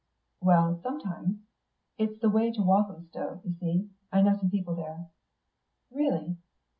"Well, sometimes. It's the way to Walthamstow, you see. I know some people there." "Really.